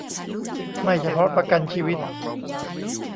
ไม่เฉพาะประกันชีวิต